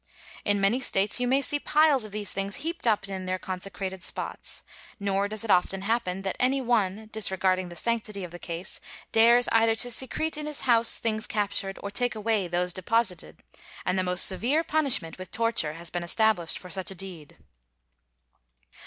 In many States you may see piles of these things heaped up in their consecrated spots; nor does it often happen that any one, disregarding the sanctity of the case, dares either to secrete in his house things captured, or take away those deposited; and the most severe punishment, with torture, has been established for such a deed.